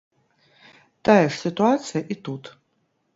Тая ж сітуацыя і тут.